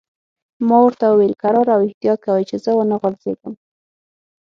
ما ورته وویل: کرار او احتیاط کوئ، چې زه و نه غورځېږم.